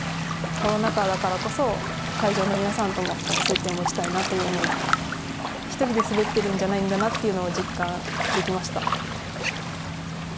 コロナ禍だからこそ、会場の皆さんとも接点を持ちたいなという思いで、１人で滑ってるんじゃないんだなというのも実感できました。